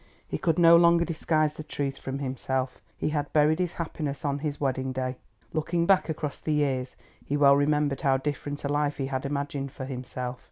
He could no longer disguise the truth from himself—he had buried his happiness on his wedding day. Looking back across the years, he well remembered how different a life he had imagined for himself.